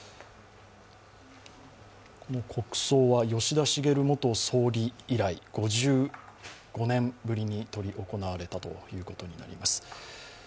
国葬は吉田茂元総理以来５５年ぶりに執り行われたということになります。